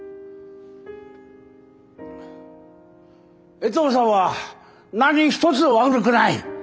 衛藤さんは何一つ悪くない。